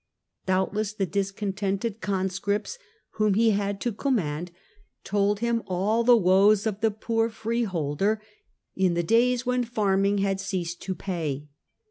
Donbtless the discontented conscripts whom he had to command, told him all the woes of the poor freeholder in the days when farming had ceased to pay.